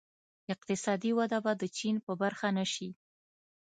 اقتصادي وده به د چین په برخه نه شي.